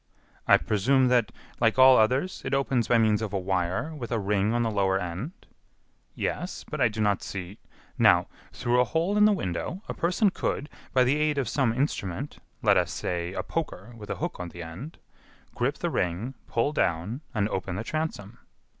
"I presume that, like all others, it opens by means of a wire with a ring on the lower end." "Yes, but I do not see " "Now, through a hole in the window, a person could, by the aid of some instrument, let us say a poker with a hook at the end, grip the ring, pull down, and open the transom."